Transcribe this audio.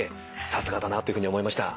さすがだなというふうに思いました。